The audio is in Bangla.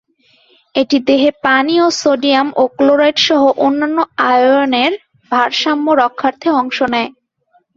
এটি দেহে পানি এবং সোডিয়াম ও ক্লোরাইড সহ অন্যান্য আয়নের ভারসাম্য রক্ষার্থে অংশ নেয়।